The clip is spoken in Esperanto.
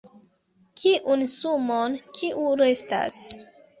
Kiun sumon kiu restas??